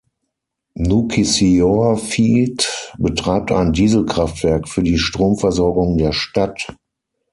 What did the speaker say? Nukissiorfiit betreibt ein Dieselkraftwerk für die Stromversorgung der Stadt.